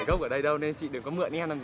chúc hai bạn chơi vui vẻ nhá